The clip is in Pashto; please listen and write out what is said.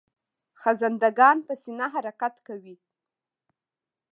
خزنده ګان په سینه حرکت کوي